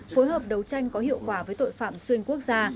phối hợp đấu tranh có hiệu quả với tội phạm xuyên quốc gia